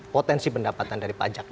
potensi pendapatan dari pajak